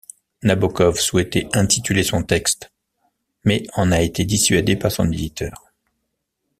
Nabokov souhaitait intituler son texte ' mais en a été dissuadé par son éditeur.